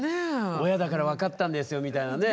親だから分かったんですよみたいなね